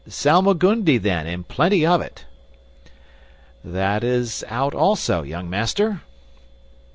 "Salmagundi, then, and plenty of it." "That is out also, young master."